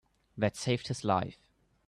That saved his life.